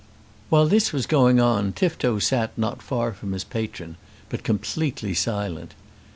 While this was going on Tifto sat not far from his patron, but completely silent.